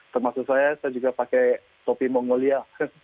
termasuk saya saya juga pakai topi mongolia